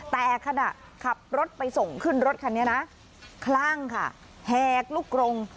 แต่ขณะขับรถไปส่งขึ้นรถคันนี้นะคลั่งค่ะแหกลูกกรง